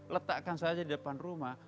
letakkan saja di depan rumah